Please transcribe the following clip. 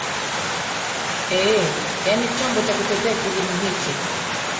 ee yaani chombo cha kutetea kilimo hichi